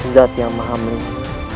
zat yang mahamrind